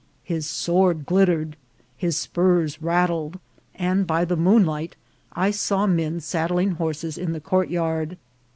His sword glittered, his spurs rattled, and by the moonlight I saw men saddling horses in the courtyard.